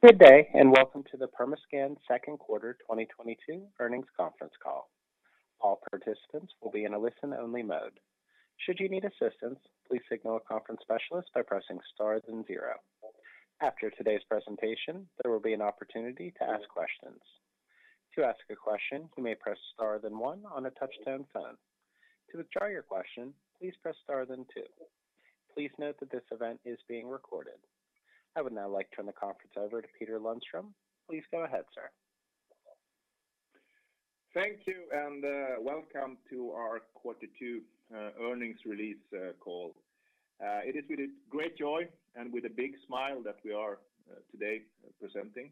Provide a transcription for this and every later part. Good day, and welcome to the Permascand second quarter 2022 earnings conference call. All participants will be in a listen-only mode. Should you need assistance, please signal a conference specialist by pressing star then zero. After today's presentation, there will be an opportunity to ask questions. To ask a question, you may press star then one on a touch-tone phone. To withdraw your question, please press star then two. Please note that this event is being recorded. I would now like to turn the conference over to Peter Lundström. Please go ahead, sir. Thank you, and welcome to our quarter two earnings release call. It is with great joy and with a big smile that we are today presenting.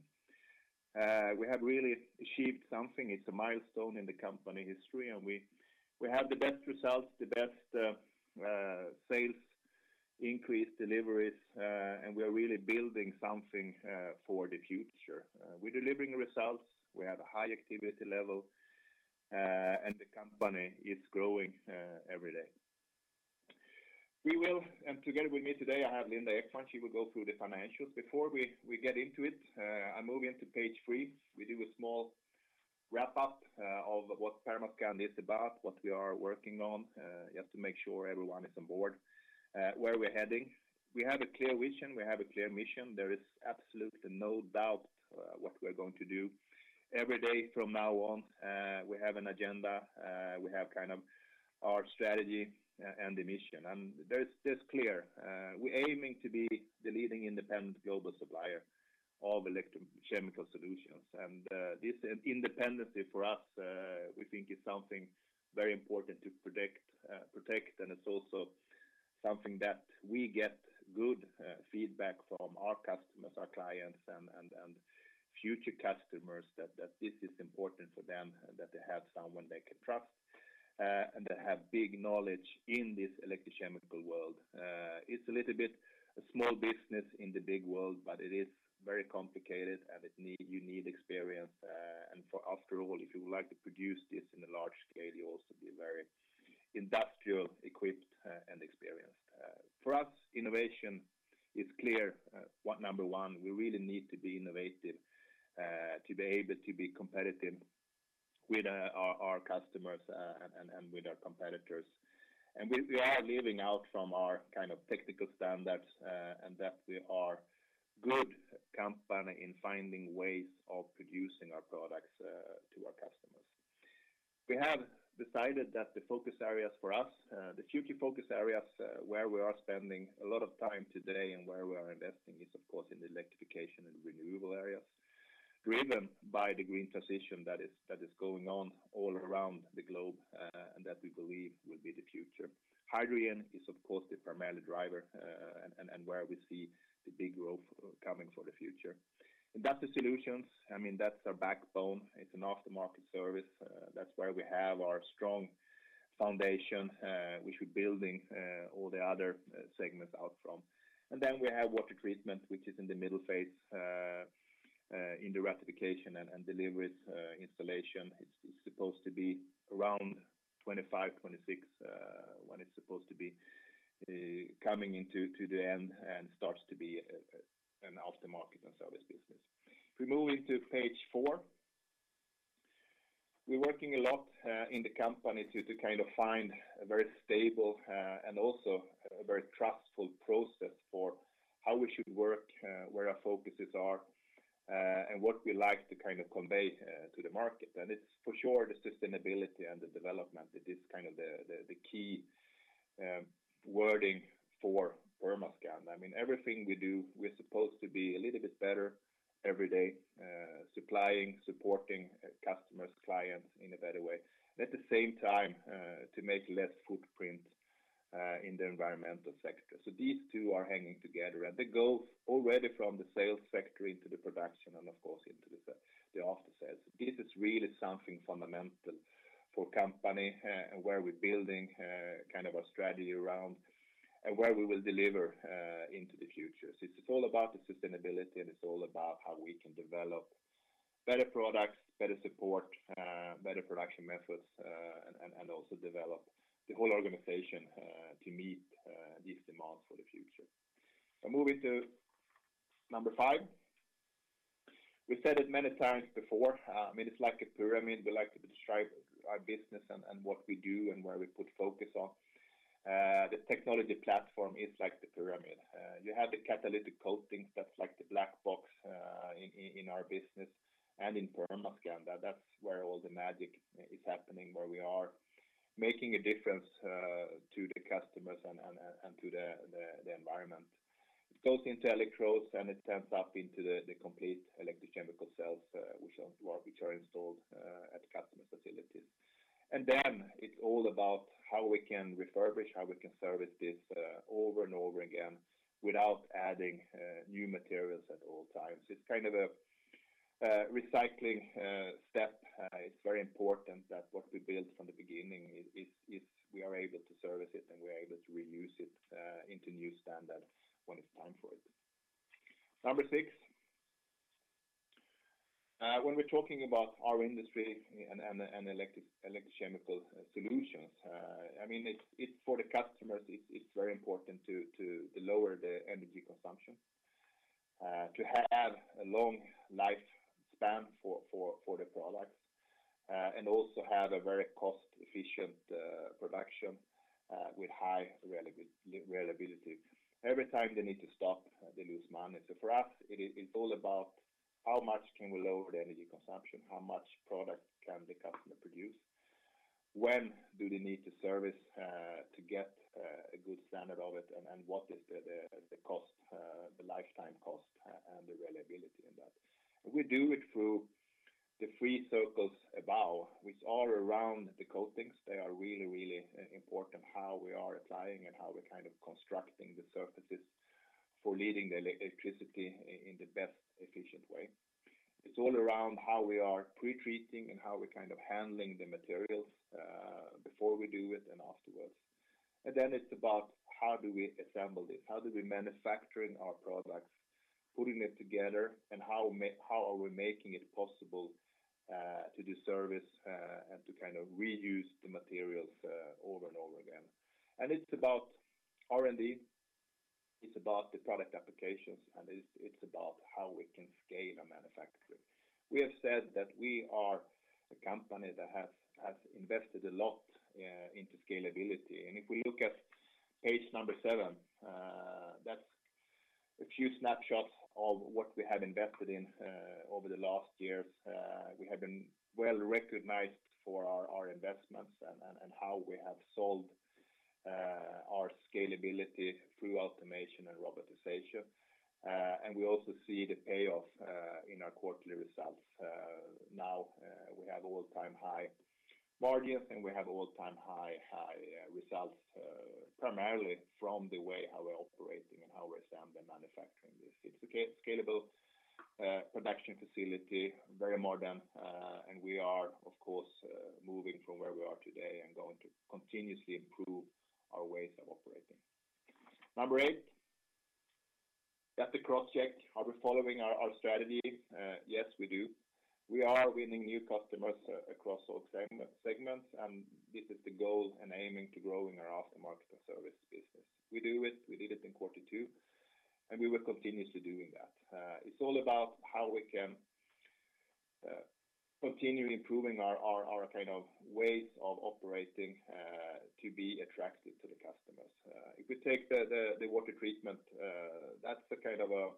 We have really achieved something. It's a milestone in the company history, and we have the best results, the best sales, increased deliveries, and we are really building something for the future. We're delivering results. We have a high activity level, and the company is growing every day. Together with me today, I have Linda Ekman. She will go through the financials. Before we get into it, I move into page three. We do a small wrap up of what Permascand is about, what we are working on, just to make sure everyone is on board where we're heading. We have a clear vision. We have a clear mission. There is absolutely no doubt what we're going to do. Every day from now on, we have an agenda. We have kind of our strategy and the mission. That's clear. We're aiming to be the leading independent global supplier of electrochemical solutions. This independency for us, we think is something very important to protect, and it's also something that we get good feedback from our customers, our clients and future customers that this is important for them, that they have someone they can trust and that have big knowledge in this electrochemical world. It's a little bit a small business in the big world, but it is very complicated, and you need experience. After all, if you would like to produce this on a large scale, you also need to be very industrially equipped and experienced. For us, innovation is key. Our number one, we really need to be innovative to be able to be competitive for our customers and with our competitors. We are living out our kind of technical standards, and that we are a good company in finding ways of producing our products for our customers. We have decided that the focus areas for us, the future focus areas, where we are spending a lot of time today and where we are investing is of course in the Electrification & Renewables areas, driven by the green transition that is going on all around the globe, and that we believe will be the future. Hydrogen is of course the primary driver, and where we see the big growth coming for the future. Industrial Solutions, I mean, that's our backbone. It's an aftermarket service. That's where we have our strong foundation, which we're building all the other segments out from. We have Water Treatment, which is in the middle phase, in the certification and deliveries, installation. It's supposed to be around 25, 26, when it's supposed to be coming into the end and starts to be an aftermarket and service business. If we move into page four. We're working a lot in the company to kind of find a very stable and also a very trustful process for how we should work, where our focuses are, and what we like to kind of convey to the market. It's for sure the sustainability and the development. It is kind of the key wording for Permascand. I mean, everything we do, we're supposed to be a little bit better every day. Supplying, supporting customers, clients in a better way. At the same time, to make less footprint in the environmental sector. These two are hanging together, and they go already from the sales sector into the production and of course into the aftersales. This is really something fundamental for company, where we're building kind of our strategy around and where we will deliver into the future. It's all about the sustainability, and it's all about how we can develop better products, better support, better production methods, and also develop the whole organization to meet these demands for the future. Moving to number five. We said it many times before. I mean, it's like a pyramid. We like to describe our business and what we do and where we put focus on. The technology platform is like the pyramid. You have the catalytic coatings that's like the black box in our business and in Permascand. That's where all the magic is happening, where we are making a difference to the customers and to the environment. It goes into electrodes, and it turns up into the complete electrochemical cells, which are installed at customer facilities. Then it's all about how we can refurbish, how we can service this over and over again without adding new materials at all times. It's kind of a recycling step. It's very important that what we build from the beginning is we are able to service it, and we are able to reuse it into new standard when it's time for it. Number six. When we're talking about our industry and electrochemical solutions, I mean, it's for the customers, it's very important to lower the energy consumption, to have a long lifespan for the products, and also have a very cost-efficient production with high reliability. Every time they need to stop, they lose money. For us, it is all about how much can we lower the energy consumption, how much product can the customer produce? When do they need to service to get a good standard of it, and what is the cost, the lifetime cost and the reliability in that. We do it through the three circles above, which are around the coatings. They are really, really important how we are applying and how we're kind of constructing the surfaces for leading the electricity in the best efficient way. It's all around how we are pre-treating and how we're kind of handling the materials before we do it and afterwards. Then it's about how do we assemble this. How do we manufacturing our products, putting it together, and how are we making it possible to do service and to kind of reuse the materials over and over again. It's about R&D, it's about the product applications, and it's about how we can scale our manufacturing. We have said that we are a company that has invested a lot into scalability. If we look at page number seven, that's a few snapshots of what we have invested in over the last years. We have been well-recognized for our investments and how we have shown our scalability through automation and robotization. And we also see the payoff in our quarterly results. We have all-time high margins, and we have all-time high results, primarily from the way how we're operating and how we assemble and manufacture this. It's a scalable production facility, very modern, and we are, of course, moving from where we are today and going to continuously improve our ways of operating. Number eight, that's a cross-check. Are we following our strategy? Yes, we do. We are winning new customers across all segments, and this is the goal and aiming to grow in our aftermarket and service business. We do it, we did it in quarter two, and we will continuously doing that. It's all about how we can continue improving our kind of ways of operating to be attractive to the customers. If we take the Water Treatment, that's the kind of a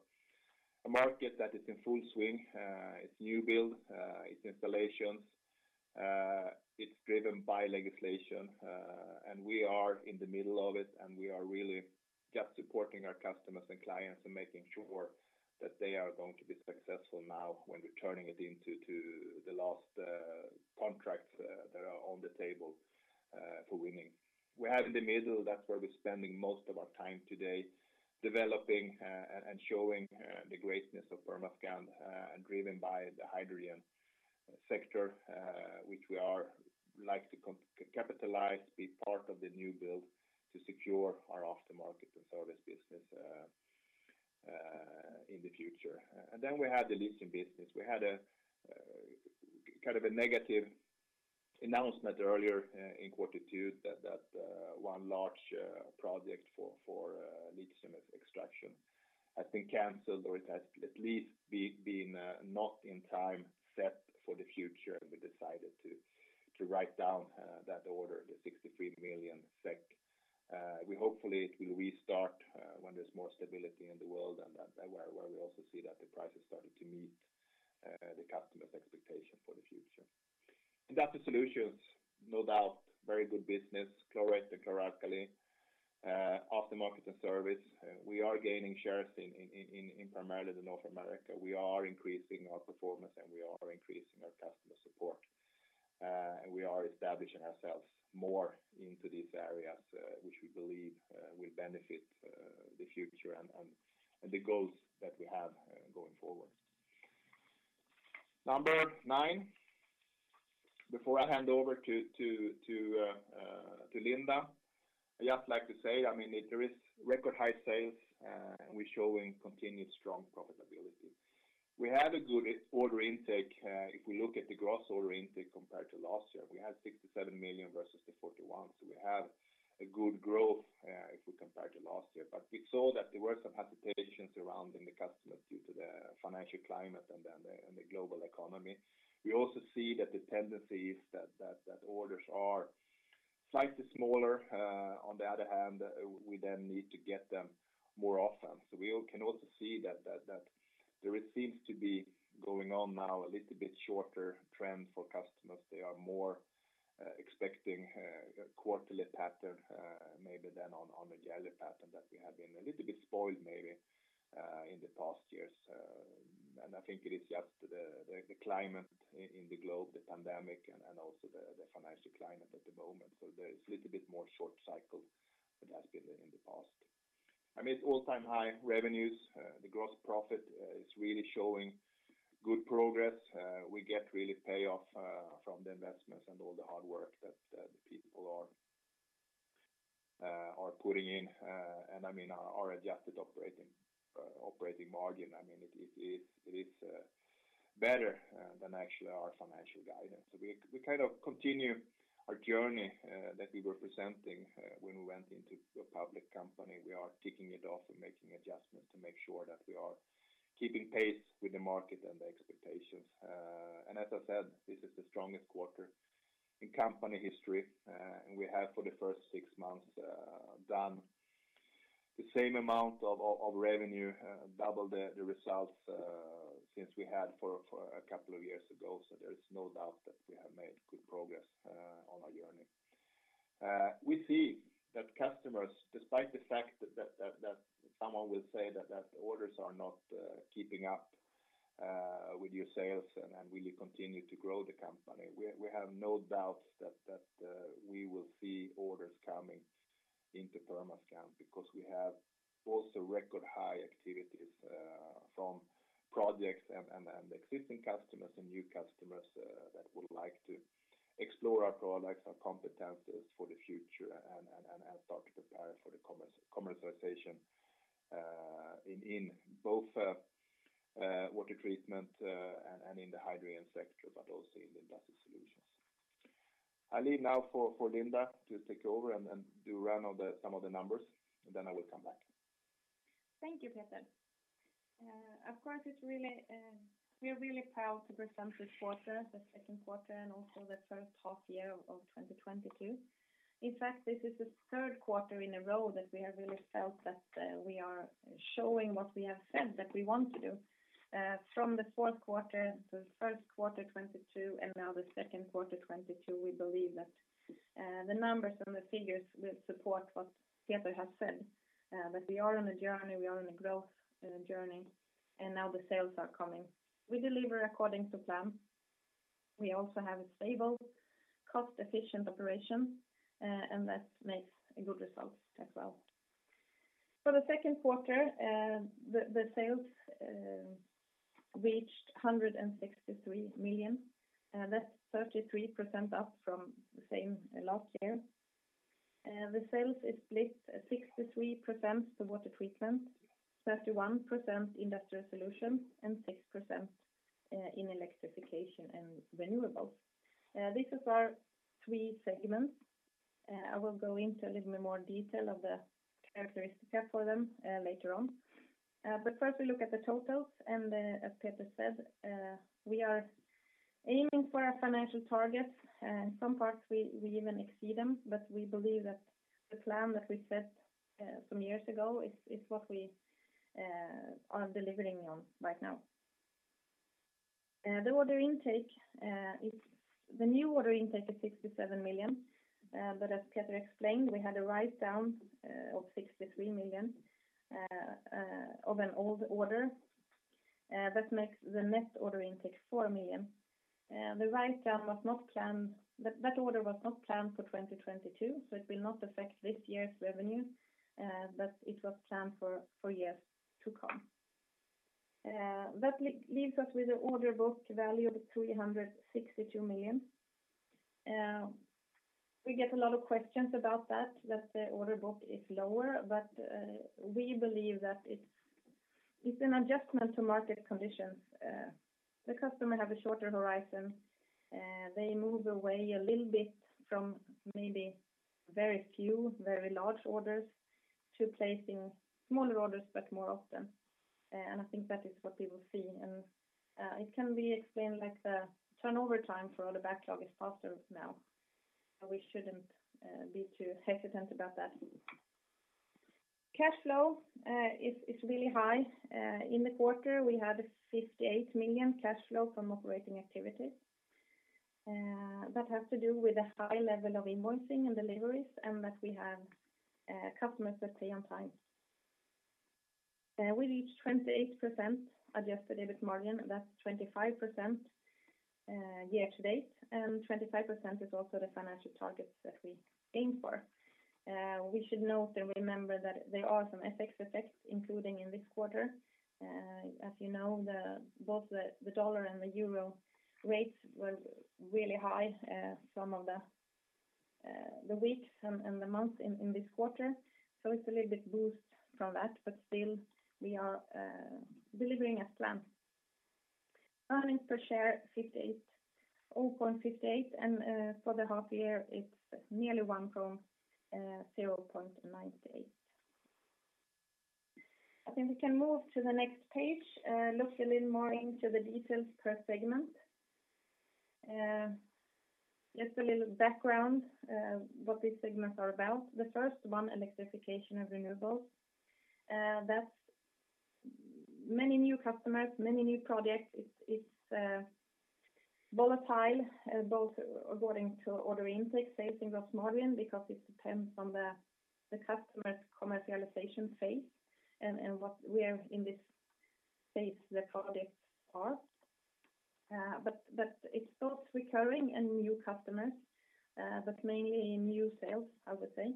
market that is in full swing. It's new build, it's installations, it's driven by legislation, and we are in the middle of it, and we are really just supporting our customers and clients and making sure that they are going to be successful now when we're turning it into the last contracts that are on the table for winning. We have in the middle, that's where we're spending most of our time today, developing and showing the greatness of Permascand and driven by the hydrogen sector, which we are likely to capitalize, be part of the new build to secure our aftermarket and service business in the future. We have the lithium business. We had kind of a negative announcement earlier in quarter two that one large project for lithium extraction has been canceled, or it has at least been not in time set for the future, and we decided to write down that order, 63 million SEK. We hope it will restart when there's more stability in the world and where we also see that the price has started to meet the customer's expectation for the future. Industrial Solutions, no doubt, very good business, chlorate and chloralkali, aftermarket and service. We are gaining shares in primarily North America. We are increasing our performance, and we are increasing our customer support. We are establishing ourselves more into these areas, which we believe will benefit the future and the goals that we have going forward. Number nine, before I hand over to Linda, I'd just like to say, I mean, there is record high sales, and we're showing continued strong profitability. We had a good order intake, if we look at the gross order intake compared to last year. We had 67 million versus 41 million, so we have a good growth, if we compare to last year. We saw that there were some hesitations around in the customers due to the financial climate and the global economy. We also see that the tendency is that orders are slightly smaller. On the other hand, we then need to get them more often. We all can also see that there seems to be going on now a little bit shorter trend for customers. They are more expecting quarterly pattern, maybe than on a yearly pattern that we have been a little bit spoiled maybe in the past years. I think it is just the climate in the globe, the pandemic and also the financial climate at the moment. There is little bit more short cycle than has been in the past. I mean, all-time high revenues, the gross profit is really showing good progress. We get really payoff from the investments and all the hard work that the people are putting in, and I mean our adjusted operating margin. I mean, it is better than actually our financial guidance. We kind of continue our journey that we were presenting when we went into a public company. We are kicking it off and making adjustments to make sure that we are keeping pace with the market and the expectations. As I said, this is the strongest quarter in company history. We have, for the first six months, done the same amount of revenue, double the results since we had for a couple of years ago. There is no doubt that we have made good progress on our journey. We see that customers, despite the fact that someone will say that orders are not keeping up with your sales and will you continue to grow the company. We have no doubts that we will see orders coming into Permascand because we have also record high activities from projects and existing customers and new customers that would like to explore our products, our competencies for the future and [i'll talk to Perry] for the commercialization in both water treatment and in the hydrogen sector, but also in the Industrial Solutions. I leave now for Linda to take over and run through some of the numbers, and then I will come back. Thank you, Peter. Of course, it's really, we are really proud to present this quarter, the second quarter and also the first half year of 2022. In fact, this is the third quarter in a row that we have really felt that, we are showing what we have said that we want to do. From the fourth quarter to the first quarter 2022 and now the second quarter 2022, we believe that, the numbers and the figures will support what Peter has said, that we are on a journey, we are on a growth journey, and now the sales are coming. We deliver according to plan. We also have a stable, cost-efficient operation, and that makes a good result as well. For the second quarter, the sales reached 163 million. That's 33% up from the same last year. The sales is split at 63% to Water Treatment, 31% Industrial Solutions, and 6% in Electrification & Renewables. This is our three segments. I will go into a little more detail of the characteristic for them later on. First we look at the totals, and as Peter said, we are aiming for our financial targets. Some parts we even exceed them, but we believe that the plan that we set some years ago is what we are delivering on right now. The new order intake is 67 million, but as Peter explained, we had a write-down of 63 million of an old order. That makes the net order intake 4 million. The write-down was not planned. That order was not planned for 2022, so it will not affect this year's revenue, but it was planned for years to come. That leaves us with an order book value of 362 million. We get a lot of questions about that the order book is lower, but we believe that it's an adjustment to market conditions. The customer have a shorter horizon. They move away a little bit from maybe very few, very large orders to placing smaller orders, but more often. I think that is what people see. It can be explained like the turnover time for the backlog is faster now. We shouldn't be too hesitant about that. Cash flow is really high. In the quarter, we had 58 million cash flow from operating activities. That has to do with a high level of invoicing and deliveries and that we have customers that pay on time. We reached 28% adjusted EBIT margin, that's 25% year to date, and 25% is also the financial targets that we aim for. We should note and remember that there are some FX effects including in this quarter. As you know, both the dollar and the euro rates were really high some of the weeks and the months in this quarter. It's a little bit boost from that, but still we are delivering as planned. Earnings per share 0.58, and for the half year, it's nearly one from 0.98. I think we can move to the next page, look a little more into the details per segment. Just a little background, what these segments are about. The first one, Electrification & Renewables. That's many new customers, many new projects. It's volatile, both according to order intake, sales and margin, because it depends on the customer's commercialization phase and what phase the products are in. But it's both recurring and new customers, but mainly in new sales, I would say.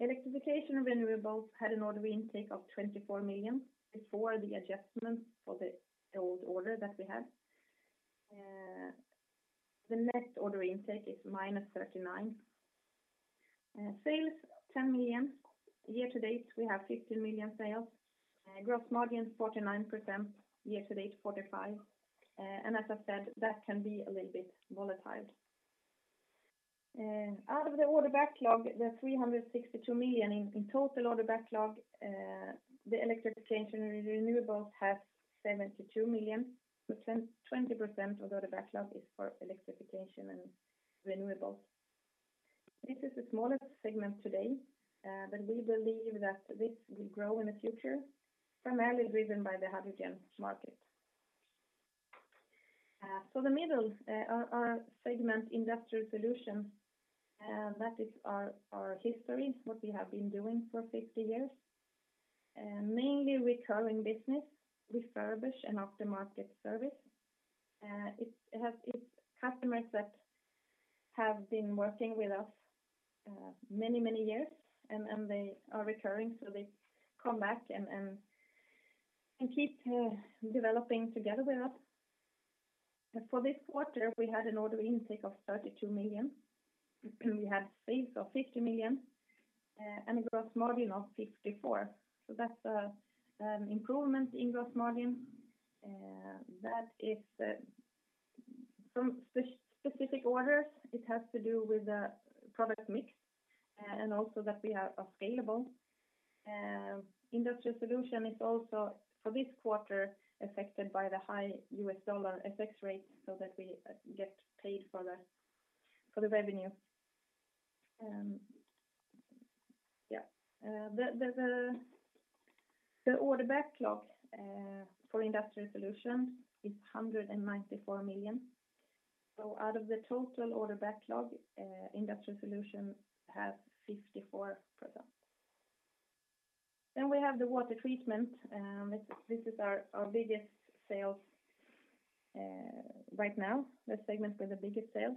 Electrification & Renewables had an order intake of 24 million before the adjustment for the old order that we had. The net order intake is -39 million. Sales 10 million. Year to date, we have 15 million sales. Gross margin is 49%, year to date 45%. As I said, that can be a little bit volatile. Out of the order backlog, the 362 million in total order backlog, the Electrification & Renewables has 72 million. 20% of the order backlog is for Electrification & Renewables. This is the smallest segment today, but we believe that this will grow in the future, primarily driven by the hydrogen market. Our segment, Industrial Solutions, that is our history, what we have been doing for 50 years. Mainly recurring business, refurbish and aftermarket service. It's customers that have been working with us, many years and they are recurring, so they come back and keep developing together with us. For this quarter, we had an order intake of 32 million. We had sales of 50 million and a gross margin of 54%. That's a improvement in gross margin. That is some specific orders. It has to do with the product mix, and also that we are available. Industrial Solutions is also, for this quarter, affected by the high U.S. dollar FX rate, so that we get paid for the revenue. Yeah. The order backlog for Industrial Solutions is 194 million. Out of the total order backlog, Industrial Solutions has 54%. We have the Water Treatment. This is our biggest sales right now, the segment with the biggest sales.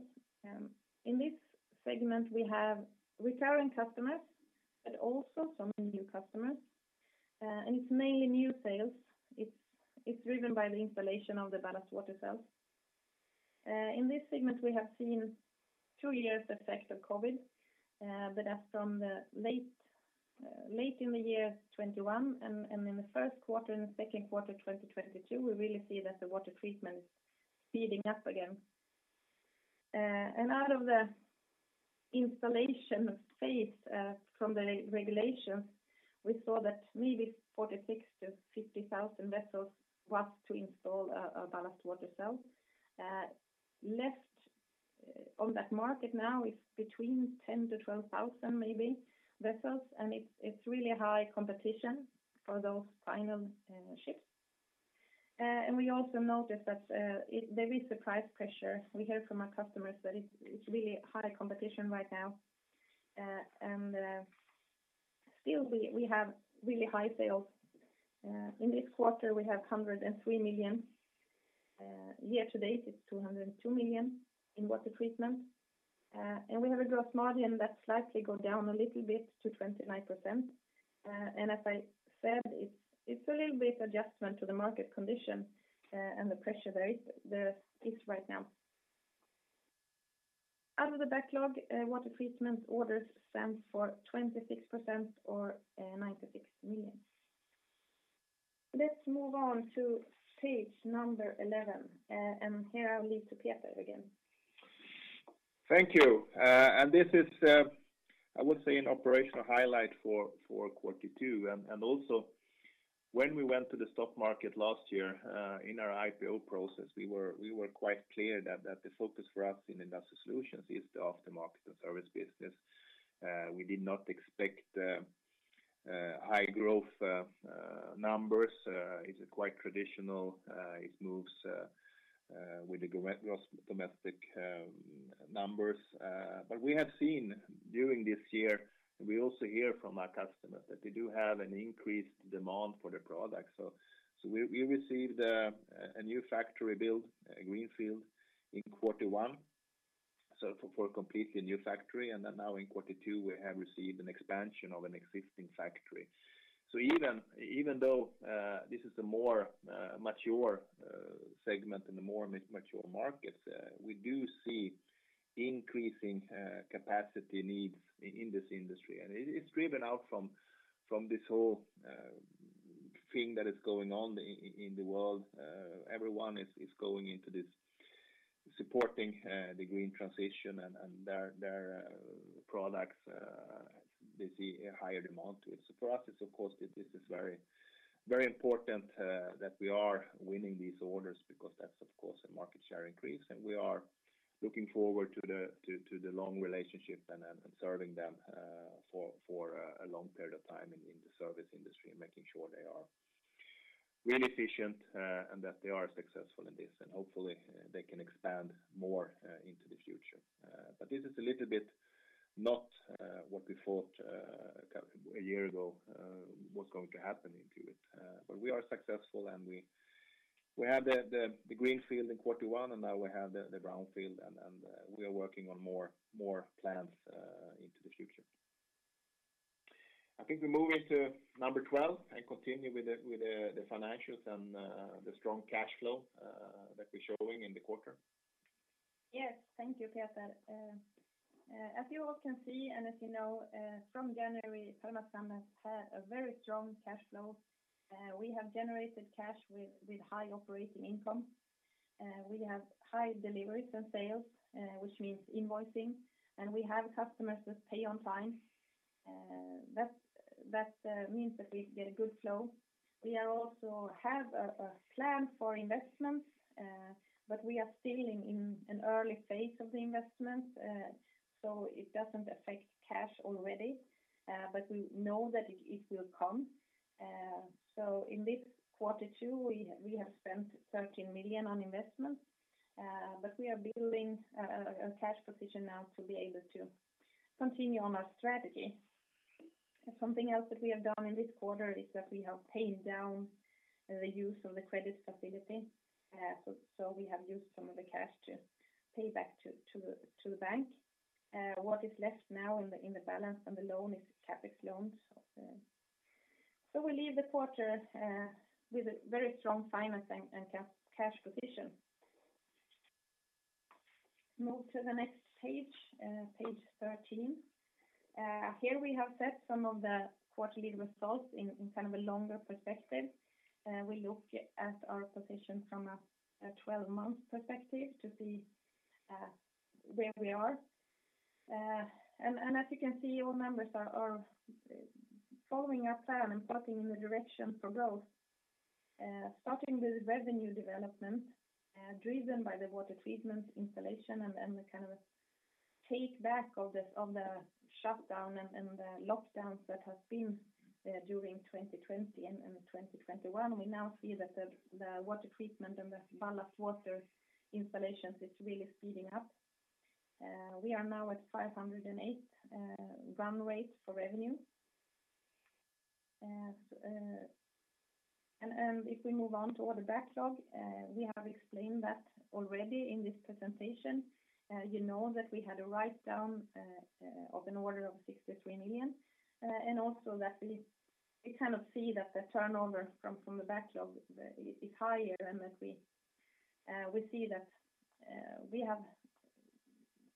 In this segment, we have recurring customers, but also some new customers. It's mainly new sales. It's driven by the installation of the ballast water cells. In this segment, we have seen two years effect of COVID, but as from the late in the year 2021 and in the first quarter and the second quarter 2022, we really see that the Water Treatment is speeding up again. Out of the installation phase from the re-regulation, we saw that maybe 46,000-50,000 vessels was to install a ballast water cell. Left on that market now is between 10,000-12,000 vessels, maybe, and it's really high competition for those final ships. We also noticed that there is the price pressure. We heard from our customers that it's really high competition right now. Still we have really high sales. In this quarter, we have 103 million. Year to date, it's 202 million in Water Treatment. We have a gross margin that slightly go down a little bit to 29%. As I said, it's a little bit adjustment to the market condition, and the pressure there is right now. Out of the backlog, Water Treatment orders stand for 26% or 96 million. Let's move on to page 11. Here I'll leave to Peter again. Thank you. This is, I would say, an operational highlight for quarter two. When we went to the stock market last year, in our IPO process, we were quite clear that the focus for us in Industrial Solutions is the aftermarket and service business. We did not expect high growth numbers. It's quite traditional. It moves with the gross domestic numbers. We have seen during this year, we also hear from our customers that they do have an increased demand for the product. We received a new factory build, Greenfield, in quarter one, for a completely new factory. Then now in quarter two, we have received an expansion of an existing factory. Even though this is a more mature segment and a more mature market, we do see increasing capacity needs in this industry. It is driven by this whole thing that is going on in the world. Everyone is going into supporting the green transition and their products they see a higher demand for it. For us, it is of course very important that we are winning these orders because that is of course a market share increase. We are looking forward to the long relationship and serving them for a long period of time in the service industry and making sure they are really efficient and that they are successful in this. Hopefully, they can expand more into the future. This is a little bit not what we thought a year ago was going to happen in Q2. We are successful, and we have the greenfield in quarter one, and now we have the brownfield and we are working on more plans into the future. I think we move into number twelve and continue with the financials and the strong cash flow that we're showing in the quarter. Yes. Thank you, Peter. As you all can see, and as you know, from January, Permascand has had a very strong cash flow. We have generated cash with high operating income. We have high deliveries and sales, which means invoicing, and we have customers that pay on time. That means that we get a good flow. We also have a plan for investments, but we are still in an early phase of the investment. It doesn't affect cash already, but we know that it will come. In this quarter two, we have spent 13 million on investments, but we are building a cash position now to be able to continue on our strategy. Something else that we have done in this quarter is that we have paid down the use of the credit facility. We have used some of the cash to pay back to the bank. What is left now in the balance and the loan is CapEx loans. We leave the quarter with a very strong financial and cash position. Move to the next page 13. Here we have set some of the quarterly results in kind of a longer perspective. We look at our position from a 12-month perspective to see where we are. As you can see, all numbers are following our plan and plotting in the direction for growth. Starting with revenue development, driven by the Water Treatment installation and then the kind of take back of the shutdown and the lockdowns that have been during 2020 and 2021. We now see that the Water Treatment and the ballast water installations is really speeding up. We are now at 508 run rate for revenue. If we move on to order backlog, we have explained that already in this presentation. You know that we had a write-down of an order of 63 million, and also that we kind of see that the turnover from the backlog is higher and that we see that we have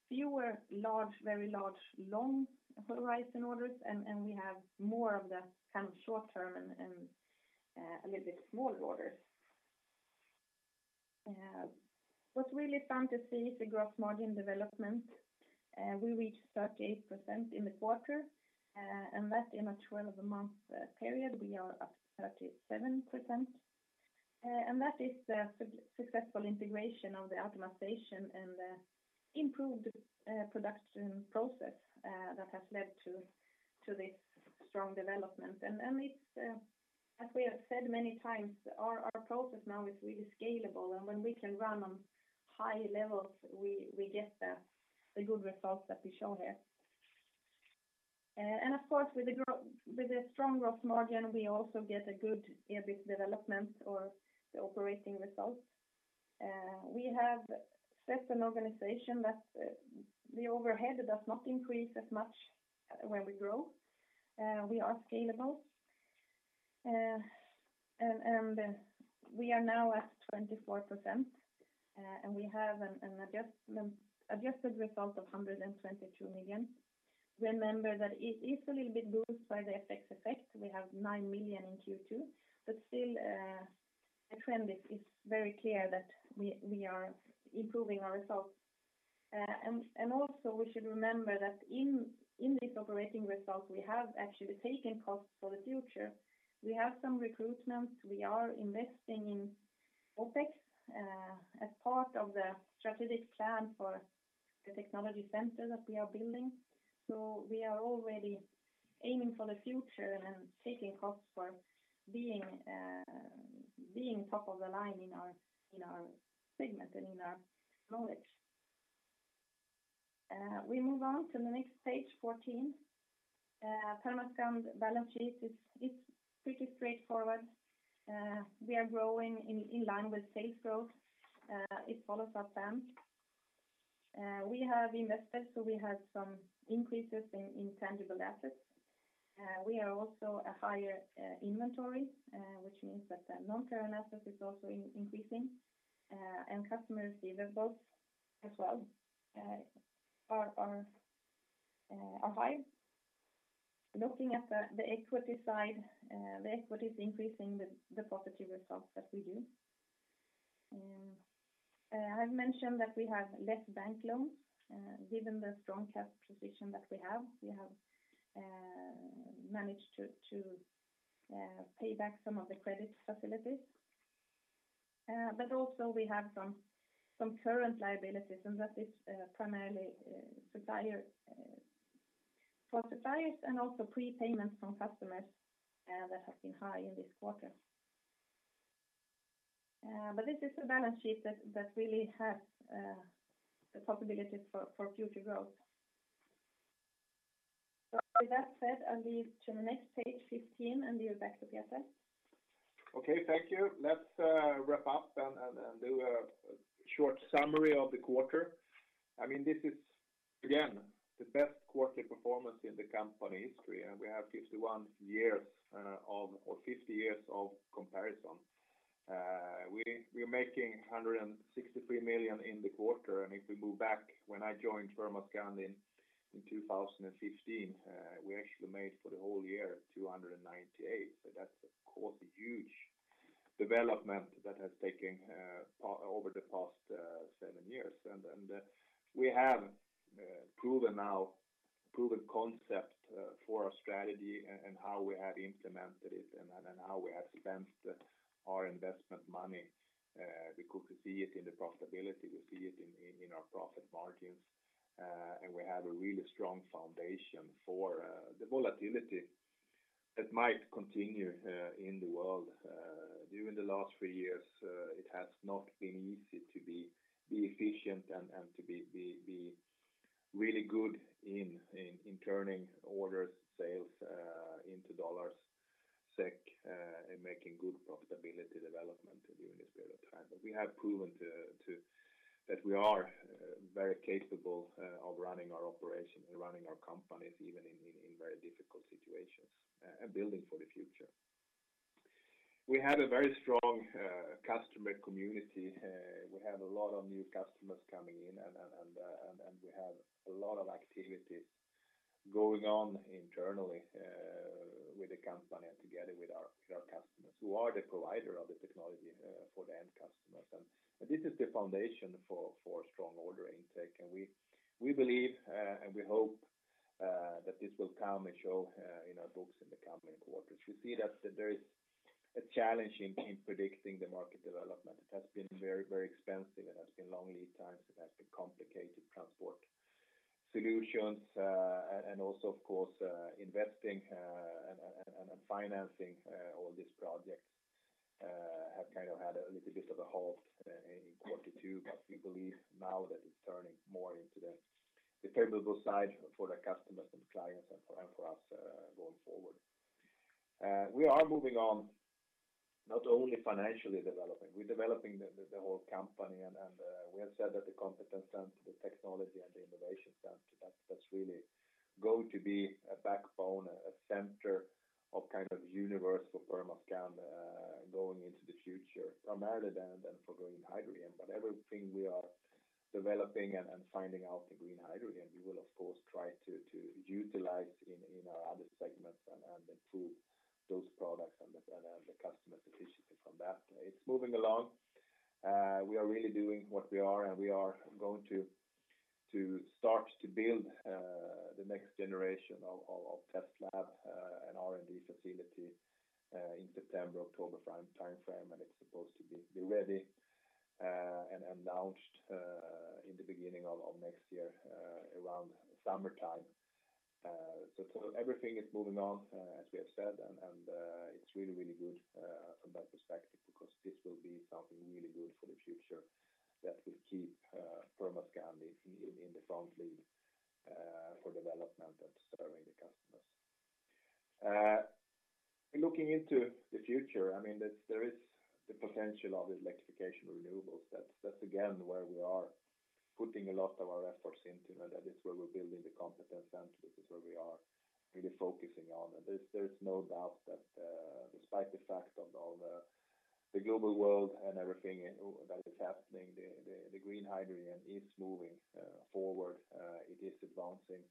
fewer large, very large, long-horizon orders and we have more of the kind of short-term and a little bit smaller orders. What's really fun to see is the gross margin development. We reached 38% in the quarter, and that in a 12-month period, we are up 37%. And that is the successful integration of the optimization and the improved production process that has led to this strong development. It's as we have said many times, our process now is really scalable, and when we can run on high levels, we get the good results that we show here. Of course, with the strong growth margin, we also get a good EBIT development or the operating results. We have set an organization that the overhead does not increase as much when we grow. We are scalable. We are now at 24%, and we have an adjusted result of 122 million. Remember that it is a little bit boosted by the FX effect. We have 9 million in Q2, but still, the trend is very clear that we are improving our results. We should remember that in this operating result, we have actually taken costs for the future. We have some recruitment. We are investing in OpEx as part of the strategic plan for the technology center that we are building. We are already aiming for the future and taking costs for being top of the line in our segment and in our knowledge. We move on to the next page, 14. Permascand's balance sheet is pretty straightforward. We are growing in line with sales growth. It follows our spend. We have invested, so we have some increases in intangible assets. We are also have higher inventory, which means that the non-current assets is also increasing, and customers' deliverables as well are high. Looking at the equity side, the equity is increasing due to the positive results that we have. I've mentioned that we have less bank loans, given the strong cash position that we have. We have managed to pay back some of the credit facilities. Also we have some current liabilities, and that is primarily suppliers and also prepayments from customers that have been high in this quarter. This is a balance sheet that really has the possibility for future growth. With that said, I'll turn to the next page 15, and give back to Peter. Okay, thank you. Let's wrap up and do a short summary of the quarter. I mean, this is again the best quarterly performance in the company history, and we have 51 years or 50 years of comparison. We're making 163 million in the quarter, and if we move back when I joined Permascand in 2015, we actually made SEK 298 million for the whole year. That's of course a huge development that has taken place over the past seven years. We have now proven concept for our strategy and how we have implemented it and how we have spent our investment money. We could see it in the profitability, we see it in our profit margins, and we have a really strong foundation for the volatility that might continue in the world. During the last three years, it has not been easy to be efficient and to be really good in turning orders, sales into dollars, SEK, and making good profitability development during this period of time. We have proven that we are very capable of running our operations and running our companies even in very difficult situations and building for the future. We have a very strong customer community. We have a lot of new customers coming in and we have a lot of activities going on internally, with the company and together with our customers who are the provider of the technology for the end customers. This is the foundation for strong order intake. We believe and we hope that this will come and show in our books in the coming quarters. We see that there is a challenge in predicting the market development. It has been very, very expensive, it has been long lead times, it has been complicated transport solutions, and also of course, investing and financing all these projects have kind of had a little bit of a halt in quarter two. We believe now that it's turning more into the favorable side for the customers and clients and for us, going forward. We are moving on not only financially developing, we're developing the whole company and we have said that the competence and the technology and the innovation center that's really going to be a backbone, a center of kind of universe for Permascand, going into the future, primarily then for green hydrogen. Everything we are developing and finding out in green hydrogen, we will of course try to utilize in our other segments and improve those products and the customer's efficiency from that. It's moving along. We are really doing what we are, and we are going to start to build the next generation of test lab and R&D facility in September-October timeframe. It's supposed to be ready and announced in the beginning of next year around summertime. Everything is moving on as we have said and it's really good from that perspective because this will be something really good for the future that will keep Permascand in the forefront for development and serving the customers. Looking into the future, I mean, there is the potential of this Electrification & Renewables. That's again where we are putting a lot of our efforts into. That is where we're building the competence center. This is where we are really focusing on. There's no doubt that, despite the fact of all the global world and everything that is happening, the green hydrogen is moving forward, it is advancing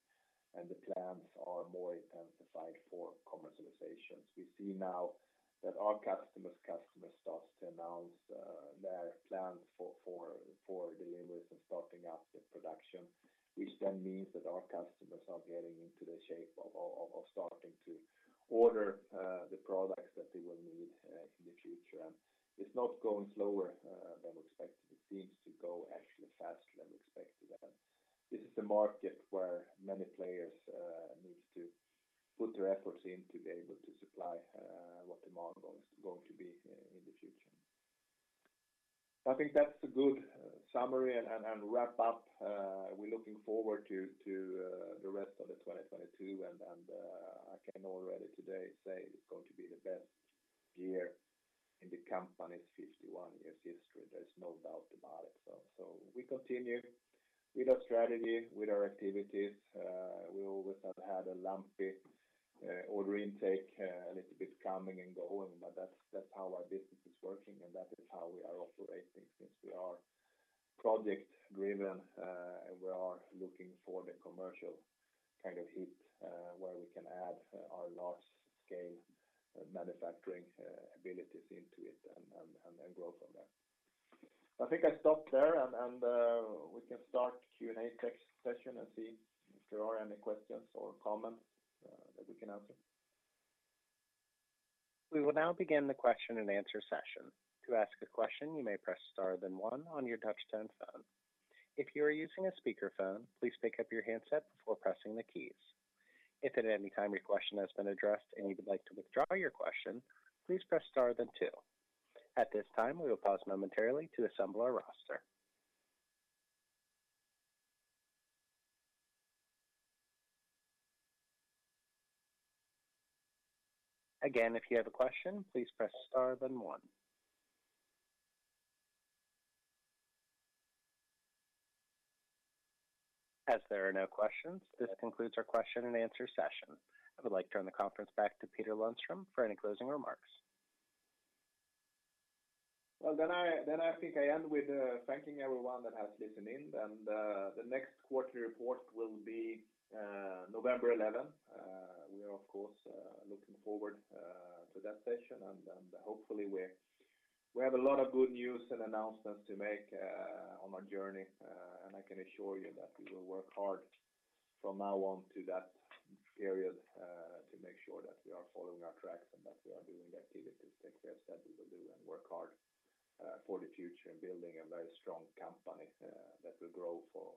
and the plans are more intensified for commercialization's. We see now that our customers starts to announce their plans for deliveries and starting up the production, which then means that our customers are getting into the shape of starting to order the products that they will need in the future. It's not going slower than we expected. It seems to go actually faster than we expected. This is a market where many players needs to put their efforts in to be able to supply what the model is going to be in the future. I think that's a good summary and wrap up. We're looking forward to the rest of 2022 and I can already today say it's going to be the best year in the company's 51 years history. There's no doubt about it. We continue with our strategy, with our activities. We always have had a lumpy order intake, a little bit coming and going, but that's how our business is working and that is how we are operating since we are project-driven and we are looking for the commercial kind of hit where we can add our large-scale manufacturing abilities into it and grow from there. I think I stop there and we can start Q&A tech session and see if there are any questions or comments that we can answer. We will now begin the question and answer session. To ask a question, you may press star then one on your touch-tone phone. If you are using a speakerphone, please pick up your handset before pressing the keys. If at any time your question has been addressed and you would like to withdraw your question, please press star then two. At this time, we will pause momentarily to assemble our roster. Again, if you have a question, please press star then one. As there are no questions, this concludes our question and answer session. I would like to turn the conference back to Peter Lundström for any closing remarks. I think I end with thanking everyone that has listened in. The next quarterly report will be November 11th. We are of course looking forward to that session and hopefully we have a lot of good news and announcements to make on our journey. I can assure you that we will work hard from now on to that period to make sure that we are following our tracks and that we are doing the activities that we have said we will do and work hard for the future in building a very strong company that will grow for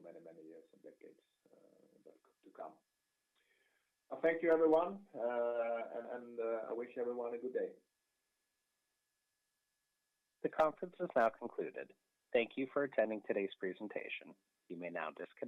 many years and decades to come. Thank you everyone and I wish everyone a good day. The conference is now concluded. Thank you for attending today's presentation. You may now disconnect.